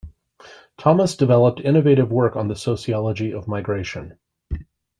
Thomas developed innovative work on the sociology of migration.